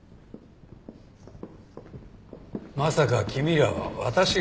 まさか君らは私が。